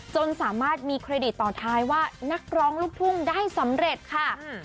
จนสามารถมีเครดิตต่อท้ายว่านักร้องลูกทุ่งได้สำเร็จค่ะ